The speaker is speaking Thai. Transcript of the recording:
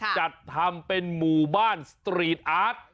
จัดทำเป็นหมู่บ้านสตรีทอาร์ต